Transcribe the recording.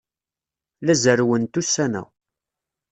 La zerrwent ussan-a.